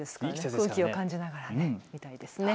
空気を感じながら見たいですね。